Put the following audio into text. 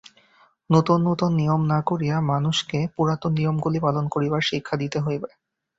নূতন নূতন নিয়ম না করিয়া মানুষকে পুরাতন নিয়মগুলি পালন করিবার শিক্ষা দিতে হইবে।